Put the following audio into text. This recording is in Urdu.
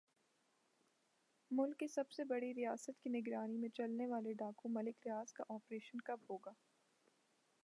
ملک کے سب سے بڑے ریاست کی نگرانی میں چلنے والے ڈاکو ملک ریاض کا آپریشن کب ھوگا